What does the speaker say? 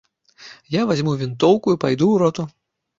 Я вазьму вінтоўку і пайду ў роту.